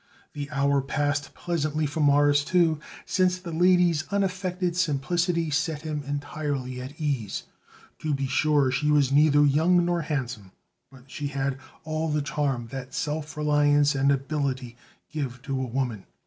The hour passed pleasantly for Morris, too, since the lady's unaffected simplicity set him entirely at his ease. To be sure, she was neither young nor handsome, but she had all the charm that self reliance and ability give to a woman.